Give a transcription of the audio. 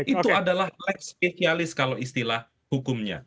itu adalah life specialist kalau istilah hukumnya